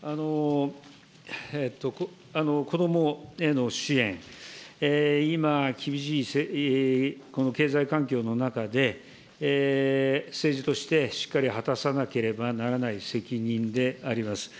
子どもへの支援、今、厳しいこの経済環境の中で、政治としてしっかり果たさなければならない責任であります。